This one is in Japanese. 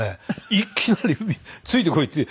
いきなり「ついてこい」って。